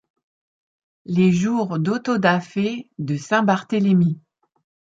Les jours d’autodafé, de Saint-Barthélemy